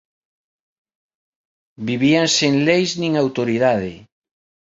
Vivían sen leis nin autoridade.